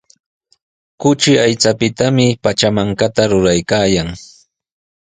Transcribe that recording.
Kuchi aychapitami pachamankata ruraykaayan.